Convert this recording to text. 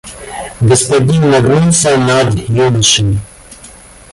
Господин нагнулся над юношей.